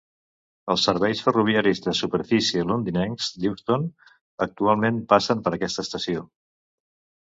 Els serveis ferroviaris de superfície londinencs d'Euston actualment passen per aquesta estació.